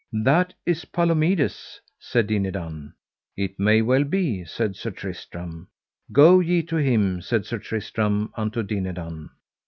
That is Palomides, said Dinadan. It may well be, said Sir Tristram. Go ye to him, said Sir Tristram unto Dinadan.